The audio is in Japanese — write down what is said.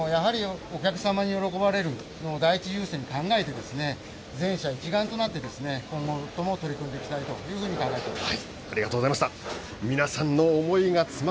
やはりお客様に喜ばれる第一優先を考えて全社一丸となって、今後も取り組んでいきたいと考えています。